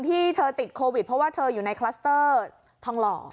ที่เธอติดโควิดเพราะว่าเธออยู่ในคลัสเตอร์ทองหล่อ